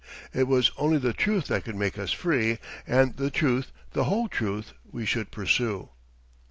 It was only the truth that could make us free, and the truth, the whole truth, we should pursue.